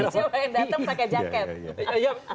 siapa yang datang pakai jaket